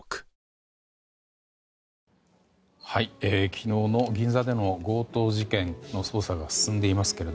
昨日の銀座での強盗事件の捜査が進んでいますが。